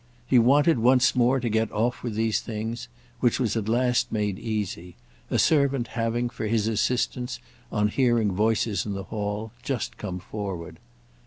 He wanted, once more, to get off with these things; which was at last made easy, a servant having, for his assistance, on hearing voices in the hall, just come forward.